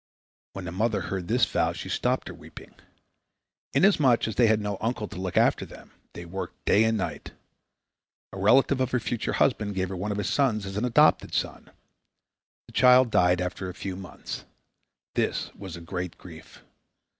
When the mother heard this vow she stopped her weeping. Inasmuch as they had no uncle to look after them, they worked day and night. A relative of her future husband gave her one of his sons as an adopted son. The child died after a few months. This was a great grief.